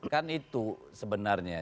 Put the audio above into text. kan itu sebenarnya